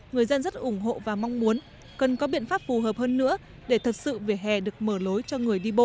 người dân rất ủng hộ và mong muốn cần có biện pháp phù hợp hơn nữa để thật sự vỉa hè được mở lối cho người đi bộ